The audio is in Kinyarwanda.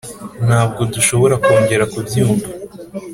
ntabwo dushobora kongera kubyumva.